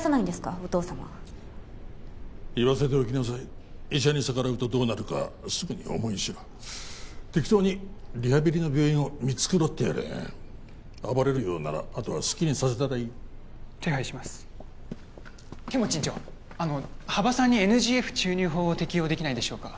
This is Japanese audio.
お父様言わせておきなさい医者に逆らうとどうなるかすぐに思い知る適当にリハビリの病院を見繕ってやれ暴れるようならあとは好きにさせたらいい手配します剣持院長あの羽場さんにＮＧＦ注入法を適用できないでしょうか？